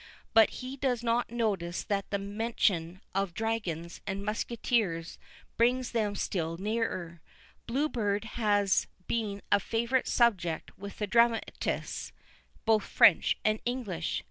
but he does not notice that the mention of dragoons and musqueteers brings them still nearer. Blue Beard has been a favourite subject with the dramatists, both French and English.